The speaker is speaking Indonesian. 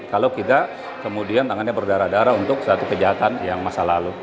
kalau kita kemudian tangannya berdarah darah untuk suatu kejahatan yang masa lalu